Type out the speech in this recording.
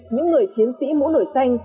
những người chiến sĩ mũ nổi xanh